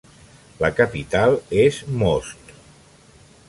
La capital és Most.